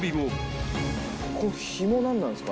このひも何なんすか？